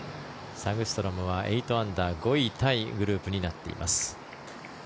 サグストロムは８アンダー５位タイグループになっています。